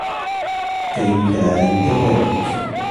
كيف علمتِ ذلك ؟